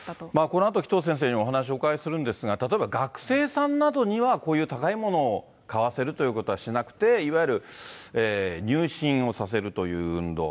このあと紀藤先生にもお話をお伺いするんですが、例えば学生さんなどには、こういう高いものを買わせるということはしなくて、いわゆる入信をさせるという運動。